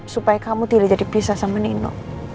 supaya kamu tidak jadi pisah sama nino